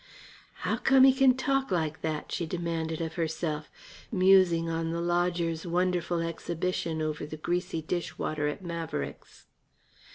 "How come he c'n talk like that?" she demanded of herself, musing on the lodger's wonderful exhibition over the greasy dish water at Maverick's.